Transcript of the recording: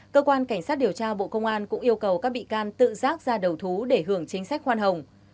cơ quan cảnh sát điều tra bộ công an cũng yêu cầu các bị can tự rác ra đầu thú để hưởng chính sách khoan hồng